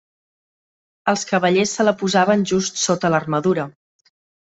Els cavallers se la posaven just sota l'armadura.